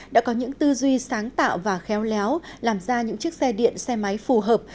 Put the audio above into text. đã có những tư duy sáng tạo và khéo léo làm ra những chiếc xe điện xe máy phù hợp